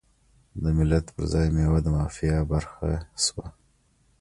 د ملت پر ځای میوه د مافیا برخه شوه.